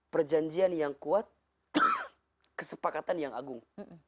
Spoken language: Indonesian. perjanjian yang kuat kesepakatan yang agung